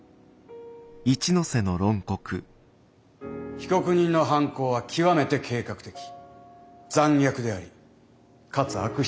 被告人の犯行は極めて計画的残虐でありかつ悪質です。